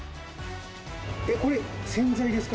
えっこれ洗剤ですか？